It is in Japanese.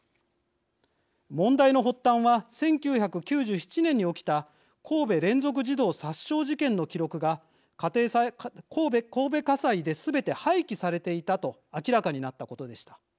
問題の発端は１９９７年に起きた神戸連続児童殺傷事件の記録が神戸家裁ですべて廃棄されていたと明らかになったことでした。